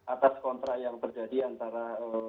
atas kontrak yang terjadi antara